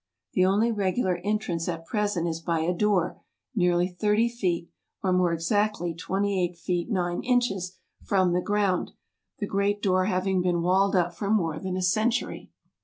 The only regular entrance at present is by a door, nearly thirty feet (or more exactly twenty eight feet nine inches) from the ground, the great door having been walled up for more than a century.